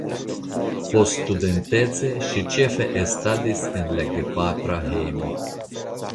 Poststudentece ŝi ĉefe estadis en la gepatra hejmo.